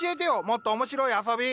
もっと面白い遊び。